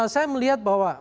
saya melihat bahwa